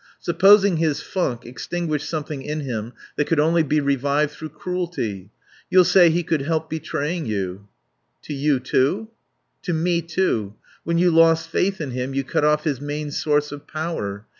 Supposing his funk extinguished something in him that could only be revived through cruelty? You'll say he could help betraying you " "To you, too?" "To me, too. When you lost faith in him you cut off his main source of power.